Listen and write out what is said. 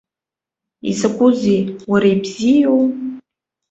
Изакәызеи, уара, ибзиоу?